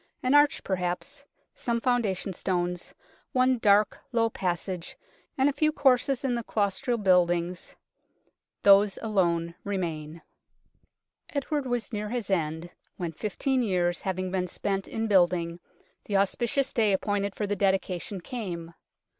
An arch perhaps, some founda tion stones, one dark, low passage and a few courses in the claustral buildings these alone remain. Edward was near his end when, fifteen years having been spent in building, the auspicious day appointed for the dedication came.